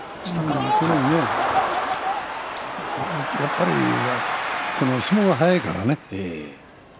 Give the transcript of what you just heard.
やっぱり相撲が速いからね。